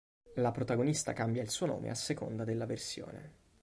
La protagonista cambia il suo nome a seconda della versione.